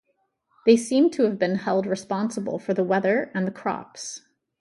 They seem to have been held responsible for the weather and the crops.